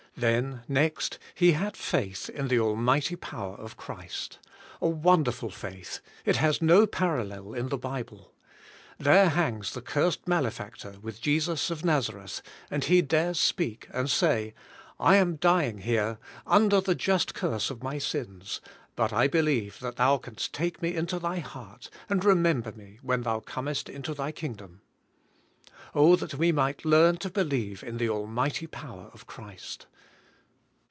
Then, next, he had faith in the almighty power of Christ. A wonderful faith. It has no parallel in the Bible. There hangs the cursed malefactor with Jesus of Nazareth, and he dares speak, and sa}': "I am dying here, under the ju3t curse of my sins, but I believe Thou 126 DEAD V/ITH C FIR 1ST canst lake me into Thy heart, and remember me when Thou comest into Thy Kingdom." Oh, that we might learn to believe in the almighty power of Christ!